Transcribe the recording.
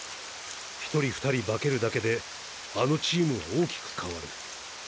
１人２人化けるだけであのチームは大きく変わる。